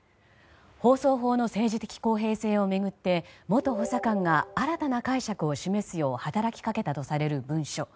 放送法の政治的公平性を巡って元補佐官が新たな解釈を示すよう働きかけたとされる文書。